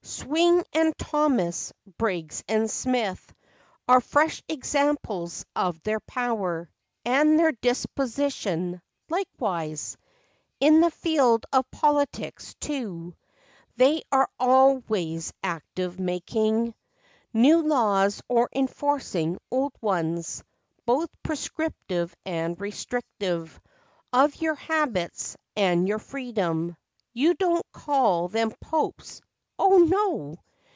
Swing and Thomas, Briggs and Smith, are Fresh examples of their power, And their disposition, likewise. In the field of politics, too, They are always active, making New laws, or enforcing old ones, Both prescriptive, and restrictive, Of your habits, and your freedom. You don't call them popes, O, no